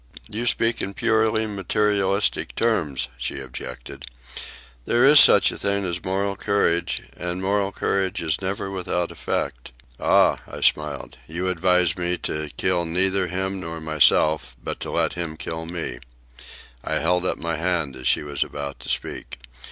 "You speak in purely materialistic terms," she objected. "There is such a thing as moral courage, and moral courage is never without effect." "Ah," I smiled, "you advise me to kill neither him nor myself, but to let him kill me." I held up my hand as she was about to speak.